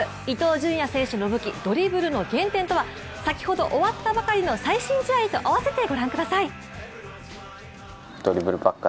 伊東純也選手の武器、ドリブルの原点とは先ほど終わったばかりの最新試合と併せて御覧ください。